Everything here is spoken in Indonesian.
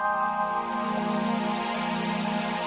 umi akan kembali ke tempat yang sama